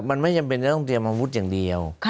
มันไม่จำเป็นจะต้องเตรียมอาวุธอย่างเดียว